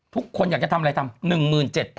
ทุกคนอยากจะทำอะไรทำ